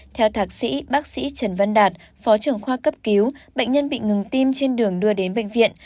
theo thạc sĩ bác sĩ trần văn đạt phó trưởng khoa cấp cứu bệnh nhân bị ngừng tim trên đường đưa đến bệnh viện